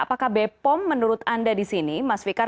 apakah bepom menurut anda di sini mas fikar